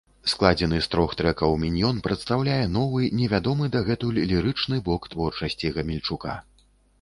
Складзены з трох трэкаў міньён прадстаўляе новы, невядомы дагэтуль, лірычны бок творчасці гамельчука.